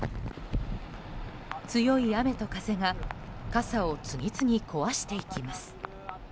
強い雨と風が傘を次々壊していきます。